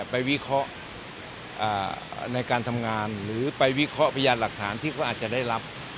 วิเคราะห์ในการทำงานหรือไปวิเคราะห์พยานหลักฐานที่เขาอาจจะได้รับ